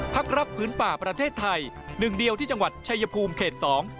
ภาครับพื้นป่าประเทศไทย๑เดียวที่จังหวัดชายภูมิเขต๒